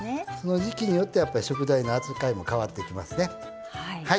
時季によっては食材の扱いも変わってきますね。